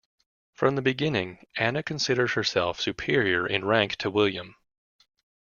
From the beginning, Anna considered herself superior in rank to William.